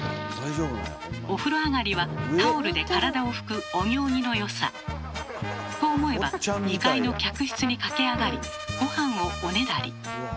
お風呂上がりはタオルで体を拭くお行儀の良さ。と思えば２階の客室に駆け上がりごはんをおねだり。